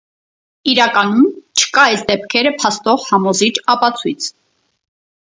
Իրականում չկա այս դեպքերը փաստող համոզիչ ապացույց։